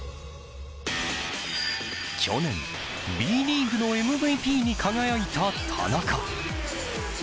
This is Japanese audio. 去年ＢリーグのＭＶＰに輝いた田中。